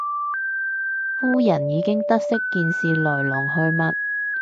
夫人已經得悉件事來龍去脈